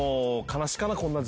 悲しいかな。